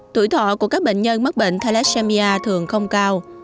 tuổi thọ của các bệnh nhân mắc bệnh theleshmia thường không cao